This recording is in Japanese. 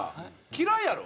嫌いやろ？